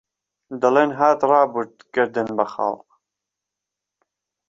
دهڵێن هات رابوورد گهردنبهخاڵ